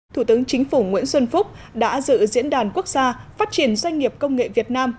thủ tướng chính phủ nguyễn xuân phúc đã dự diễn đàn quốc gia phát triển doanh nghiệp công nghệ việt nam